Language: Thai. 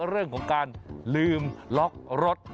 เรื่องของการลืมล็อกรถ